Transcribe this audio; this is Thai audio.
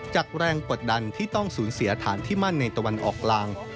แรงกดดันที่ต้องสูญเสียฐานที่มั่นในตะวันออกกลาง